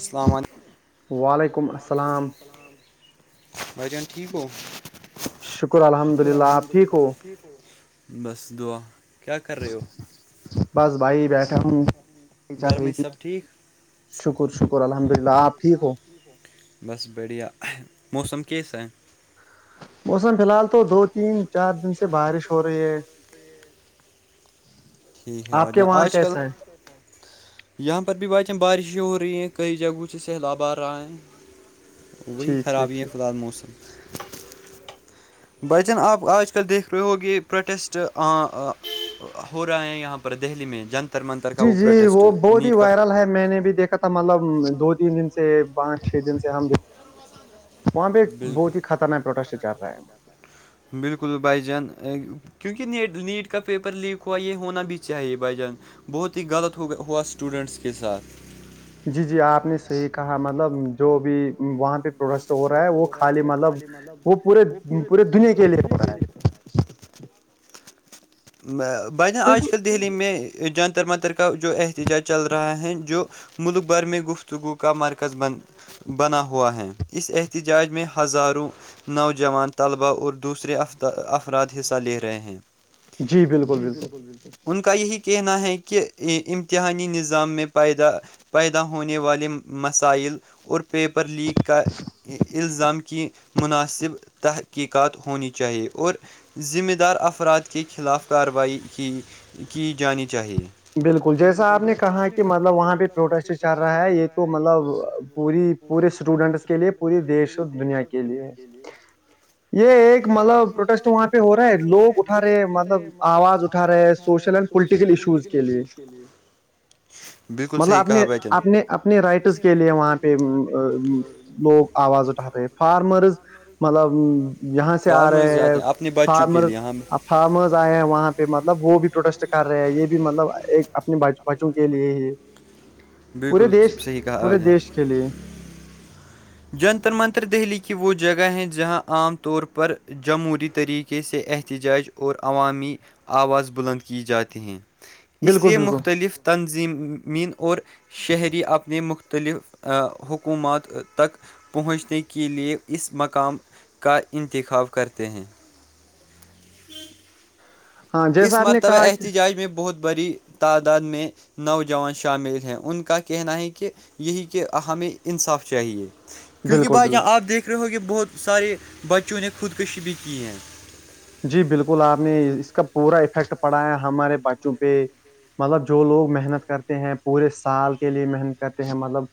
السلام علیکم وعلیکم السلام بھائی جان ٹھیک گو شکر الحمد للہ آپ ٹھیک ہو بس دعا کیا کر رہے ہو گمی سب ٹھیک شکر شکر الحمد للہ آپ ٹھیک ہو بس بڑھیا موسم کیس ہے موسم فی الحال تو دو تین چار دن سے بارش ہو رہی ہے آپ کے وہاں کیسا ہے یہاں پر بھی بات چ بارشیں ہو رہی ہیں کئی جگہوں سے سہلاب آ رہا ہے وہی خراب ہی ہے خدا موسم بھائی جان آپ آج کل دیکھ رہے ہو گے پروٹیسٹ ہو رہا ہے یہاں پر دہلی میں جنتر منتر کا وہ پروٹیسٹ نیٹ کا میں نے بھی دیکا تھا مطلب دو تین دن سے پانچ چھ دن سے ہم د وہاں پہ بہت ہی خطرناک پروٹسٹ سے چل رہا ہے بالکل بائی جان کیونکہ نیٹ نیٹ کا پیپر لیک ہوا یہ ہونا بھی چاہیے بھائی جان بہت ہی غلط ہو ہوا اسٹوڈنٹس کے ساتھ جی جی آپ نے صحیح کہا مطلب جو بھی وہاں پہ ہو رہا ہے وہ خالی مطلب وہ پورے پورے دنیا کے لیے ہو رہا ہے ب ن آج کل دہلی میں جانتر منتر کا جو احتجاج چل رہا ہے جو ملک بھر میں گفتگو کا مرکز بن بنا ہوا ہے اس احتجاج میں ہزاروں نوجوان طلبا اور دوسرے افراد حصہ لے رہے ہیں جی بالکل بالکل ان کا یہی کہنا ہے کہ امتحانی نظام میں پیدا پیدا ہونے والے مسائل اور پیپر لیک کا الزام کی مناسب تحقیقات ہونی چاہیے اور ذمہ دار افراد کے خلاف کارروائی کی کی جانی چاہیے بالکل جیسا آپ نے کہا کہ مطلب وہاں پہ پروٹیسٹ چل رہا ہے یہ تو مطلب پوری پورے اسٹوڈنٹس اسٹوڈنٹ کے لیے پوری دیش اور دنیا کے لیے یہ ایک مطلب پروٹیسٹ تو وہاں پہ ہو رہا ہے لوگ اٹھا رہے ہیں مطلب آواز اٹھا رہے ہیں سوشل اینڈ پولٹیکل ایشوز کے لیے مطلب اپنے اپنے اپنے رائٹس کے لیے وہاں پہ لوگ آواز اٹھا رہے ہیں فارمرز مطلب یہاں سے آ رہے ہیں فارمر فارمرز آئے ہیں وہاں پہ مطلب وہ بھی پروٹیسٹ کر رہے ہیں یہ بھی مطلب ایک اپنے بچوں کے لیے ہی پورے دیش پورے دیش کے چلیے جنتر منتر دہلی کی وہ جگہ ہیں جہاں عام طور پر جمہوری طریقے سے احتجاج اور عوامی آواز بلند کی جاتی ہیں اس لیے مختلف تنظیمین اور شہری اپنے مختلف حکومات تک پہنچنے کے لیے اس مقام کا انتخاب کرتے ہیں ہوں اس مرتبہ احتجاج میں بہت بڑی تعداد میں نوجوان شامل ہیں ان کا کہنا ہے کہ یہی کہ ہمیں انصاف چاہیے کیونکہ بھائی جاناں آپ دیکھ رہے ہو کہ بہت سارے بچوں نے خودکشی بھی کی ہے جی بالکل آپ نے اس کا پورا افیکٹ پڑایا ہمارے بچوں پہ مطلب جو لوگ محنت کرتے ہیں پورے سال کے لیے محنت کرتے ہیں مطلب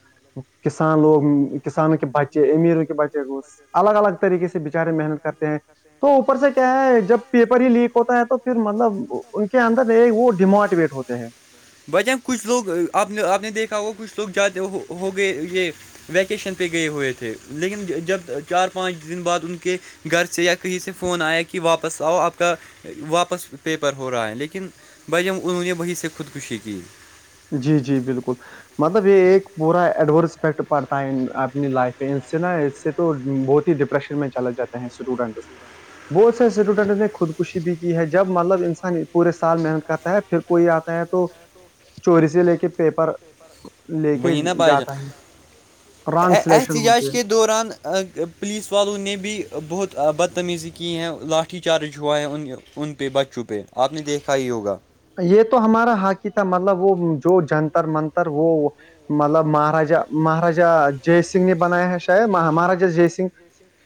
کسان لوگ کسانوں کے بچے امیروں کے بچے گھوس الگ الگ طریقے سے بےچارے محنت کرتے ہیں تو اوپر سے کیا ہے جب پیپر ہی لیک ہوتا ہے تو پھر مطلب ان کے اندر ایک وہ ڈیموٹیویٹ ہوتے ہیں بچان کچھ لوگ اپ نے آپ نے دیکھا ہوا کچھ لوگ جیادے ہوگئے یہ ویکیشن پہ گئے ہوئے تھے لیکن جب چار پانچ دن بعد ان کے گھر سے یا کہیں سے فون آیا کہ واپس آؤ آپ کا واپس پیپر ہو رہا ہے لیکن بھائی ہم انہوں نے وہیں سے خودکشی کی جی جی بالکل مطلب یہ ایک پورا ایڈورسپیکٹ پڑتا ہے اپنی لائف پ ان سے نا اس سے تو بہت ہی ڈپریشن میں چلے جاتے ہیں اسٹوڈینٹ بہت سے اسٹوڈنٹس نے خودکشی بھی کی ہے جب مطلب انسان پورے سال محنت کرتا ہے پھر کوئی آتا ہے تو چوری سے لے کے پیپر وہ نہہ باجان احتجاج کے دوران پولیس والوں نے بھی بہت بدتمیزی کی ہے لاٹھی چارج ہوا ہے ان ان پہ بچ چپے آپ نے دیکھا ہی ہوگا یہ تو ہمارا حقی تھا مطلب وہ جو جنتر منتر وہ مطلب مہاراجا مہاراجا جے سنگھ نے بنایا ہے شاید مہاراجا جے سنگھ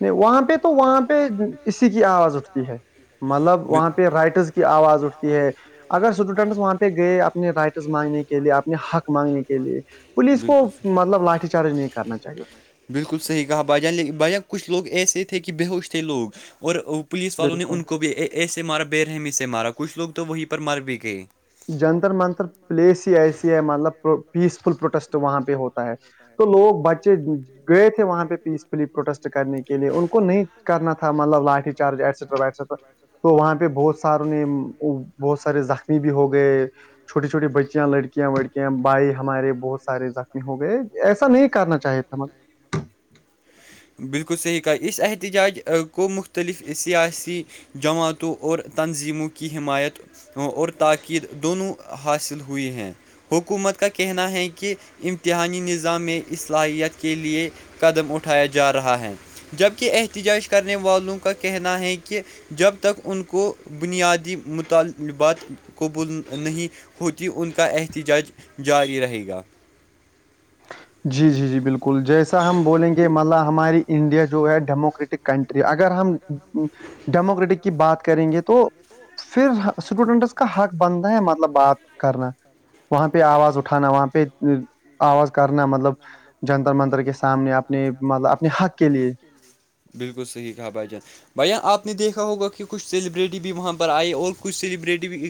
نہیں وہاں پہ تو وہاں پہ اسی کی آواز اٹھتی ہے مطلب وہاں پہ رائٹرس کی آواز اٹھتی ہے اسٹوڈنٹ وہاں پہ گئے اپنے رائٹس مانگنے کے لیے اپنے حق مانگنے کے لیے پولیس کو مطلب لاٹھی چارج نہیں کرنا چاہیے بالکل صحیح کہا باجان باج کچھ لوگ ایسے تھے کہ بیہوش تھے لوگ اور پلیس والوں نے ان کو بھی ایسے مارا بےرحمی سے مارا کچھ لوگ تو وہیں پر مر بھی گئے جنتر منتر پلیس ہی ایسی ہے مطلب پیس فل پروٹیسٹ وہاں پہ ہوتا ہے تو لوگ بچے گئے تھے وہاں پہ پیس فلی پروٹیسٹ کرنے کے لیے ان کو نہیں کرنا تھا تھا مطلب لاٹھی چارج ایٹسیٹر وٹا تو وہاں پہ بہت ساروں نے بہت سارے زخمی بھی ہو گئے چھوٹی چھوٹی بچیاں لڑکیاں وڑکیاں بھائی ہمارے بہت سارے زخمی ہو گئے ایسا نہیں کرنا چاہے تھا مطلب بالکل صحیح کہا اس احتجاج کو مختلف سیاسی جماعتوں اور تنظیموں کی حمایت اور تاکید دونوں حاصل ہوئی ہیں حکومت کا کہنا ہے کہ امتحانی نظام میں اصلاحیت کے لیے قدم اٹھایا جا رہا ہے جبکہ احتجاج کرنے والوں کا کہنا ہے کہ جب تک ان کو بنیادی مطالبات قبول نہیں ہوتی ان کا احتجاج جاری رہے گا جی جی جی بالکل جیسا ہم بولیں گے مطلب ہماری انڈیا جو ہے ڈیموکریٹک کنٹری اگر ہم ڈیموکریٹک کی بات کریں گے تو پھر اسٹوڈنٹس کا حق بنتا ہے مطلب بات کرنا وہاں پہ آواز اٹھانا وہاں پہ آواز کرنا مطلب جنتر منتر کے سامنے اپنے مطلب اپنے حق کے لیے بالکل صحیح کہا بائی جان بھیا آپ نے دیکھا ہوگا کہ کچھ سیلیبریٹی بھی وہاں پر آئے اور کچھ سیلیبریٹی بھی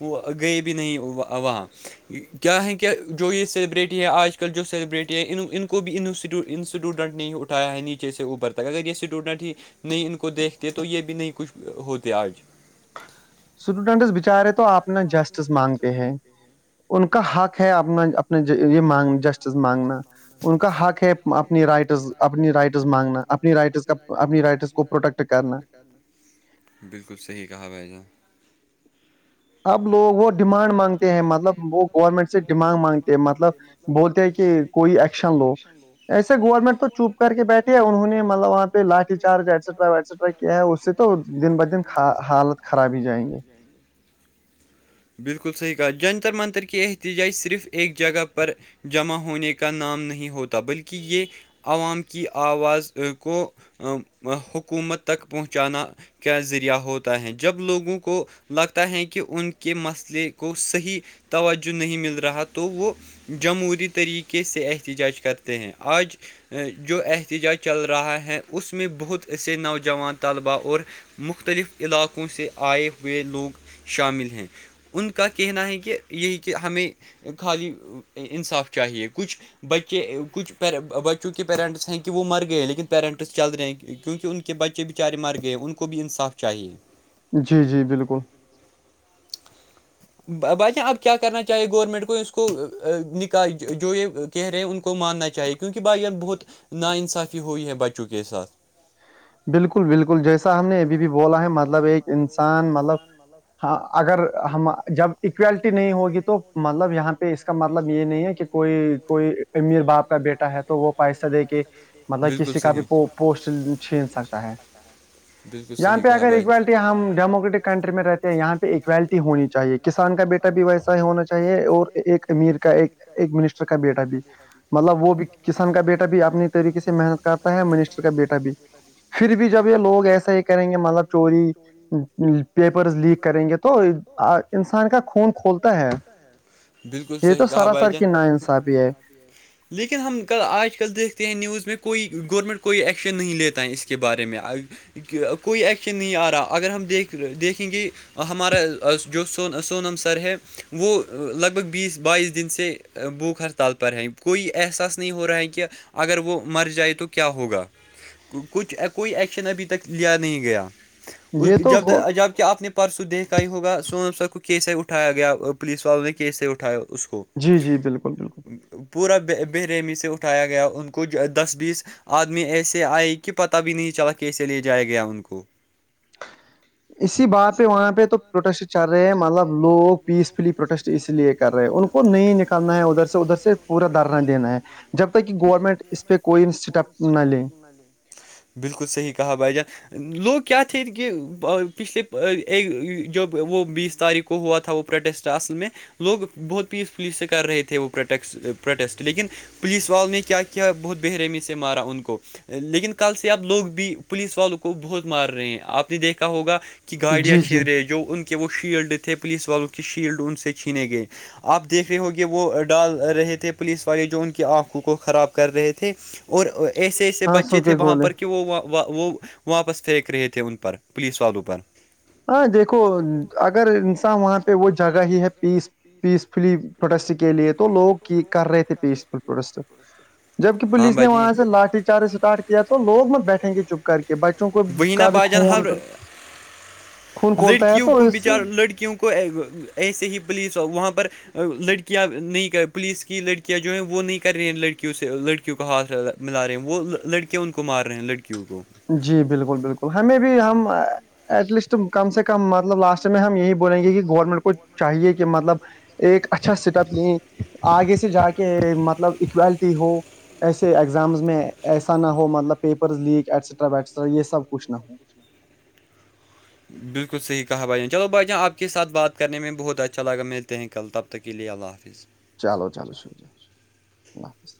وہ گئے بھی نہیں وہاں کیا ہے کیا جو یہ سلیبریٹی ہے آج کل جو سیبریٹی ہے ان کو بھی انٹیو ان اسٹوڈنٹ نے ہی اٹھایا ہے نیچے سے ابرتا ت اگر یہ اسٹوڈنٹ ہی نئی ان کو دیکھتے تو یہ بھی نہیںئی کچھ ہوتے آج اسٹوڈنٹس بچارے تو آپنا جسٹس مانگتے ہیں ان کا حق ہے اپنا اپنے یہ مانگ جسٹس مانگنا ان کا حق ہے اپنی رائٹس اپنی رائٹس مانگنا اپنی رائٹس کا اپنی رائٹس کو پروٹیکٹ کرنا بالکل صحیح کہا بھائی جان اب لوگ وہ ڈیمانڈ مانگتے ہیں مطلب وہ گورنمنٹ سے ڈیمانڈ مانگتے ہیں مطلب بولتے ہیں کہ کوئی ایکشن لو ایسے گورنمنٹ تو چوپ کر کے بیٹھے ہے انہوں نے مطلب وہاں پہ لاٹھی چارج ایسٹرا ٹر کیا ہے اس سے تو دن ب دن حالت خراب ہی جائیں گے بالکل صحیح کہا جنتر منتر کی احتجاج صرف ایک جگہ پر جمع ہونے کا نام نہیں ہوتا بلکہ یہ عوام کی آواز کو حکومت تک پہنچانا کا ذریعہ ہوتا ہے جب لوگوں کو لگتا ہے کہ ان کے مسئل لے کو صحیح توجہ نہیں مل رہا تو وہ جمہوری طریقے سے احتجاج کرتے ہیں آج جو احتجاج چل رہا ہے اس میں بہت سے نوجوان طلبہ اور مختلف علاقوں سے آئے ہوئے لوگ شامل ہیں ان کا کہنا ہے کہ یہی کہ ہمیں خالی انصاف چاہیے کچھ بچے کچھ بچوں کے پیرنٹس ہیں کہ وہ مر گئے لیکن پیرنٹس چل رہے ہیں کیونکہ ان کے کہ بچے بے چارے مر گئے ان کو بھی انصاف چاہیے جی جی بالکل بادشان اب کیا کرنا چاہیے گورنمنٹ کو اس کو نکاح جو یہ کہہ رہے ہیں ان کو ماننا چاہیے کیونکہ بھائی بہت ناانصافی ہوئی ہے بچوں کے ساتھ بالکل بالکل جیسا ہم نے ابھی بھی بولا ہے مطلب ایک انسان مطلب ہاں اگر ہم جب اولٹی نہیں ہوگی تو مطلب یہاں پہ اس کا مطلب یہ نہیں ہے کہ کوئی کوئی امیر باپ کا بیٹا ہے تو وہ پیسہ دے کے مطلب کسی کا بھی پوسٹ چھین سکتا ہے یہاں پہ اگر ا ایکویلٹی ہم ڈیموکریٹک کنٹری میں رہتے ہیں یہاں پہ اکویلٹی ہونی چاہیے کہ کسان کا بیٹا بھی ویسا ہی ہونا چاہیے اور ایک امیر کا ایک ایک منسٹر کا بیٹا بھی مطلب وہ بھی کسان کا بیٹا بھی اپنی طریقے سے محنت کرتا ہے منسٹر کا بیٹا بھی ابھی پھر بھی جب یہ لوگ ایسا ہی کریں گے مطلب چوری پیپرز لیک کریں گے تو انسان کا خون کھولتا ہے یہ تو سراسر کی نا انصافی ہے ج لیکن ہم کل آج کل دیکھتے ہیں نیوز میں کوئی گورنمنٹ کوئی ایکشن نہیں لیتا ہے اس کے بارے میں کوئی ایکشن نہیں آ رہا اگر ہم دیکھ دیکھیں گے ہمارا جو سون سونم سر ہے وہ لگ بھگ بیس بائیس دن سے بھوک ہڑتال پر ہیں کوئی احساس نہیں ہو رہا ہے کہ اگر وہ مر جائے تو کیا ہوگا کچھ کوئی ایکشن ابھی لیا نہیں گیا جب جب کہ آپ نے پرسوں دیکھا ہی ہوگا سون سر کو کیسے اٹھایا گیا پولیس والوں نے کیسے اٹھایا اس کو پورا برمی سے اٹھایا گیا ان کو دس بیس آدمی ایسے آئے کہ پت بھی نہیں چلا کیسے لے جایا گیا ان کو اسی بات پہ وہاں پہ تو پروٹسی چل رہے ہیں مطلب لوگ پیسفلی پروٹیسٹ اس لیے کر رہے ہیں ان کو نہیں نکالنا ہے ادھر سے ادھر سے پورا دارنا دینا ہے جب تک کہ گورنمنٹ اس پہ کوئی اسٹیپ نہ لے بالکل صحیح کہا بائی جں لوگ کیا تھے کہ پچھلے جب وہ بیس تاریخ کو ہو وات تھا ہو پ پروسٹ اصل م میں لوگ بہت پیسفلی سے کر رہے تھے وہ پرو پروٹیسٹ لیکن پولیس سوال نے کیا کیا بہت بحرمی سے مارا ان کو لیکن کل سے اب لوگ بھی پولیس والوں کو بہت مار رہے ہیں آپ نے دیکھا ہوگا کی گاڑیاں چھین رہے جو ان کے وہ شیلڈ تھے پولیس والوں کی شیلڈ ان سے چھینے گئے آپ دیکھ رہے ہو گے وہ ڈال رہے تھے پولیس والے جو ان کی آنکھ کو خراب کر رہے تھے اور ایسے ایسے بچے تھے وہاں پر کہ وہ وہ وہ واپس پھینک رہے تھے ان پر پولیس والوں پر ہاں دیکھو اگر انسان وہاں پہ وہ جگہ ہی ہے پیس پیس پیس فلی پروٹسٹ کے لیے تو لوگ ٹھیک کر رہے تھے پیس فل پروٹسٹ جبک پولس نے وہاں سے لاٹھی چارج اسٹارٹ کیا تو لوگ مت بیٹھیں گے چپی کر کے بچوں کو کا بھی خون لڑکیوں کو بچار لڑکیوں کو ایسے ہی پولیس وہاں پر لڑکیاں نہیں پولیس کی لڑکیاں جو ہیں وہ نہیں کر رہی ہیں لڑکیوں سے لڑکی کیوں کا ہاتھ ملا رہے ہیں وہ لڑکے ان کو مار رہے ہیں لڑکیوں کو جی بالکل بالکل ہمیں بھی ہم ایٹ لیسٹ کم سے کم مطلب لاسٹ میں ہم یہی بولیں گے کہ گورنمنٹ کو چاہیے کہ مطلب ایک اچھا سٹپ لے آگے سجاک مطلب ایسے ایگزامز میں ایسا نہ ہو مطلب پیپرز لیک ایٹسٹرا وٹٹرا یہ سب کچھ نہ ہو بالکل صح کہا بھائی جان چلو بھائی جان آپ کے ساتھ بات کرنے میں بہت اچھا لگا ملتے ہیں کل تب تک کے لیے اللہ حافظ چلو چلو شکریہ اللہ حافظ